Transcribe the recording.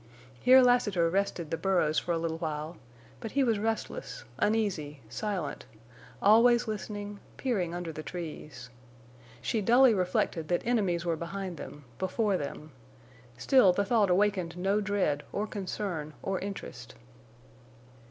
Here Lassiter rested the burros for a little while, but he was restless, uneasy, silent, always listening, peering under the trees. She dully reflected that enemies were behind them—before them; still the thought awakened no dread or concern or interest.